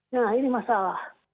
nah ini masalah